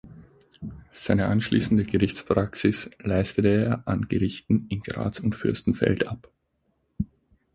Seine anschließende Gerichtspraxis leistete er an Gerichten in Graz und Fürstenfeld ab.